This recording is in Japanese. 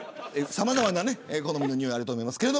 さまざまな好みのにおいがあると思います。